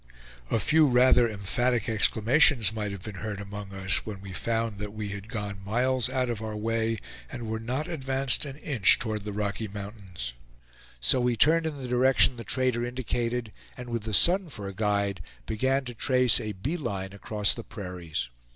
A few rather emphatic exclamations might have been heard among us, when we found that we had gone miles out of our way, and were not advanced an inch toward the Rocky Mountains. So we turned in the direction the trader indicated, and with the sun for a guide, began to trace a "bee line" across the prairies.